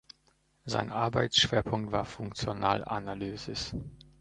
Sein Arbeitsschwerpunkt war Funktionalanalysis.